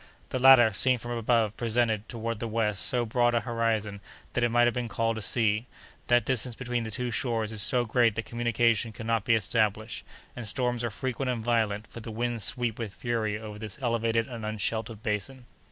The latter, seen from above, presented, toward the west, so broad an horizon that it might have been called a sea; the distance between the two shores is so great that communication cannot be established, and storms are frequent and violent, for the winds sweep with fury over this elevated and unsheltered basin.